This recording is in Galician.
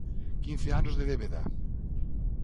¡Quince anos de débeda!